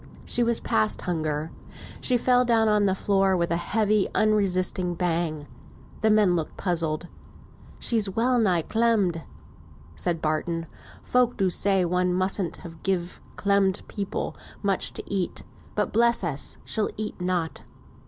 She was past hunger. She fell down on the floor with a heavy unresisting bang. The men looked puzzled. "She's well nigh clemmed," said Barton. "Folk do say one mustn't give clemmed people much to eat; but, bless us, she'll eat nought."